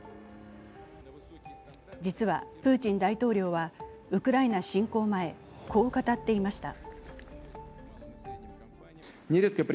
実は、プーチン大統領はウクライナ侵攻前、こう語っていました。